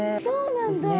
そうなんだ。